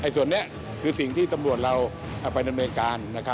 ส่วนนี้คือสิ่งที่ตำรวจเราไปดำเนินการ